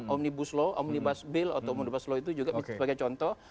omnibus law omnibus bill atau omnibus law itu juga sebagai contoh